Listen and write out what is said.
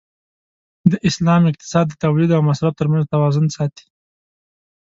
د اسلام اقتصاد د تولید او مصرف تر منځ توازن ساتي.